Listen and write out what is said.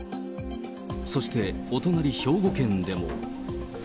そして、お隣兵庫県でも。